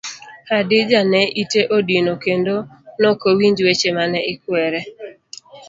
Hadija ne ite odino kendo nokowinj weche mane ikwere.